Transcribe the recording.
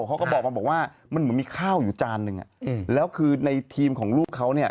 เขาก็บอกมาบอกว่ามันเหมือนมีข้าวอยู่จานนึงแล้วคือในทีมของลูกเขาเนี่ย